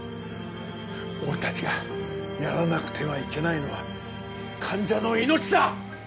俺達がやらなくてはいけないのは患者の命だ！